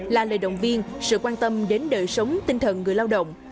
là lời động viên sự quan tâm đến đời sống tinh thần người lao động